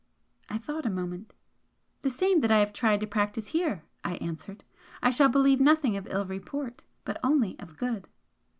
I thought a moment. "The same that I have tried to practise here" I answered "I shall believe nothing of ill report but only of good."